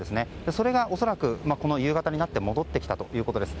それが恐らくこの夕方になって戻ってきたということです。